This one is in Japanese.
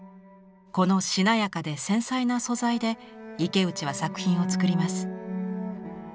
このしなやかで繊細な素材で池内は作品を作ります。